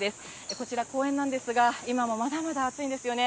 こちら公園なんですが、今もまだまだ暑いんですよね。